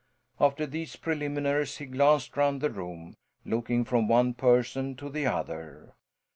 After these preliminaries he glanced round the room, looking from one person to the other.